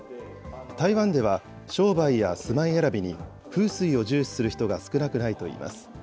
台湾では、商売や住まい選びに風水を重視する人が少なくないといいます。